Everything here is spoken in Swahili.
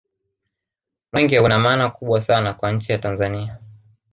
mwenge una maana kubwa sana kwa nchi ya tanzania